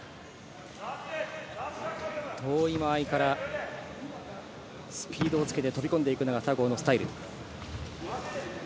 遠い間合いからスピードをつけて飛び込んでいくのが佐合のスタイル。